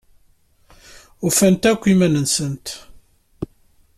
Ufant akk iman-nsent.